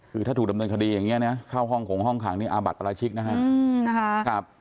คือถ้าถูกดำเนินคดีอย่างนี้นะเข้าห้องขงห้องขังนี่อาบัติประราชิกนะฮะ